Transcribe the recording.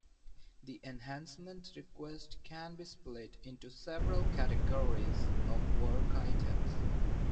The enhancement request can be split into several categories of work items.